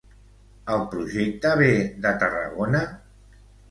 El projecte ve de Tarragona?